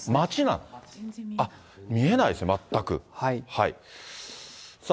見えないですね、全く。